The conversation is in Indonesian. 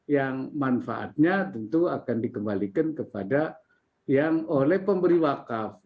yang manfaatnya tentu akan dikembalikan kepada yang oleh pemberi wakaf